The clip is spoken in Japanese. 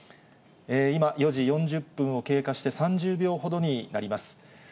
今、４時４０分を経過して、３０秒ほどになります。